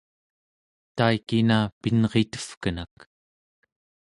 taikina pinritevkenak